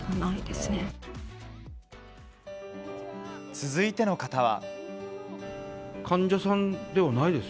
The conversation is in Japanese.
続いての方は。